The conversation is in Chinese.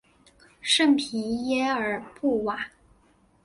圣皮耶尔布瓦。